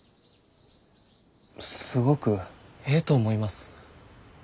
すごくええと思います。